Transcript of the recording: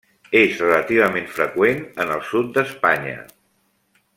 És relativament freqüent en el sud d'Espanya.